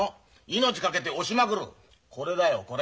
命懸けて押しまくるこれだよこれ。